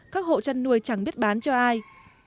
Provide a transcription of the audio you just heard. các hộ chăn nuôi chẳng biết bán cho ai